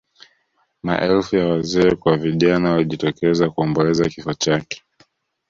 maelfu ya wazee kwa vijana walijitokeza kuomboleza kifo chake